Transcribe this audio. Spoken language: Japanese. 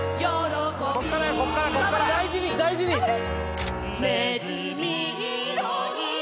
こっからよこっからこっから大事に大事に頑張れ！